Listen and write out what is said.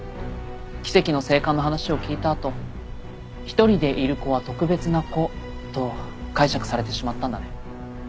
奇跡の生還の話を聞いたあと一人でいる子は特別な子と解釈されてしまったんだね。